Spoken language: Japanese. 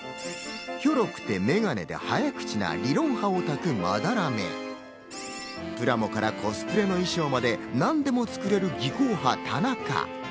ひょろくてメガネで早口な理論派オタク・斑目、プラモからコスプレの衣装まで何でも作れる技巧派・田中。